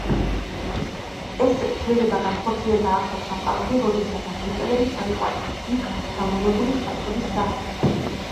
ეს ცვლილება განხორციელდა ახალ სამყაროში, როდესაც აფრიკელები ჩაიყვანეს იქ, დამონებული ხალხების სახით.